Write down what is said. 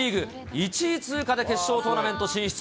１位通過で決勝トーナメント進出。